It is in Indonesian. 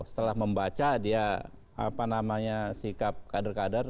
setelah membaca dia apa namanya sikap kader kader